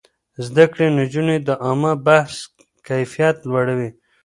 زده کړې نجونې د عامه بحث کيفيت لوړوي.